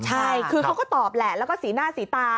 ใช่คือเขาก็ตอบแหละแล้วก็สีหน้าสีตา